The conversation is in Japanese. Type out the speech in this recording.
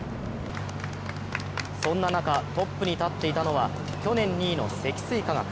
そんな中、トップに立っていたのは去年２位の積水化学。